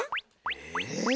え？